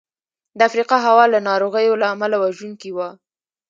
د افریقا هوا له ناروغیو له امله وژونکې وه.